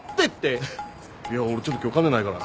いやぁ俺ちょっと今日金ないから。